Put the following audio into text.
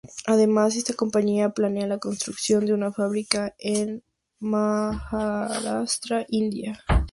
Además, esta compañía planea la construcción de una fábrica en Maharastra, India.